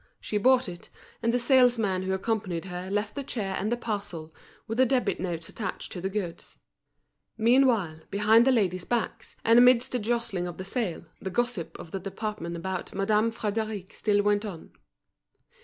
She bought it, and the salesman who accompanied her left the chair and the parcel, with the debit notes attached to the goods. Meanwhile, behind the ladies' backs, and amidst the jostlings of the sale, the gossip of the department about Madame Frédéric still went on.